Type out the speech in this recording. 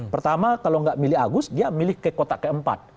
pertama kalau nggak milih agus dia milih ke kota keempat